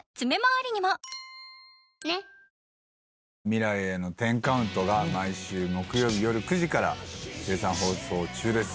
『未来への１０カウント』が毎週木曜日よる９時から絶賛放送中です。